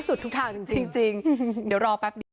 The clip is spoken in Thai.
สวัสดีครับ